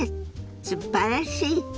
すばらしい！